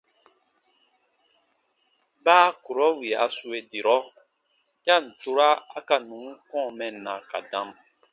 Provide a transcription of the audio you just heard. Baa kurɔ wì a sue dirɔ, ya ǹ tura a ka nùn kɔ̃ɔ mɛnna ka dam.